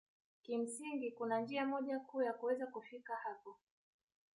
Kimsingi kuna njia moja kuu ya kuweza kufika hapo